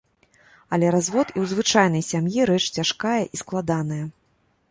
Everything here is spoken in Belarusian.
Але развод і ў звычайнай сям'і рэч цяжкая і складаная.